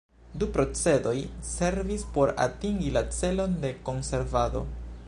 Du procedoj servis por atingi la celon de konservado.